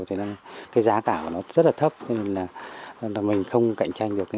thì giá cả của nó rất là thấp nên mình không cạnh tranh được